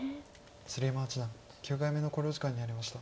鶴山八段９回目の考慮時間に入りました。